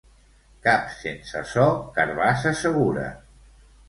Cap sense so, carabassa segura.